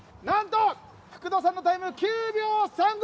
なんと福田さんのタイム９秒３５！